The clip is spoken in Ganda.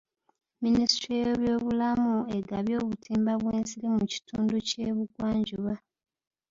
Minisitule y'ebyobulamu egabye obutimba bw'ensiri mu kitundu ky'ebugwanjuba.